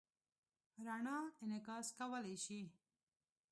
رڼا انعکاس کولی شي.